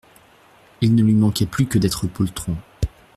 Il ne lui manquait plus que d’être poltron.